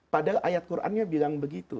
padahal ayat qurannya bilang begitu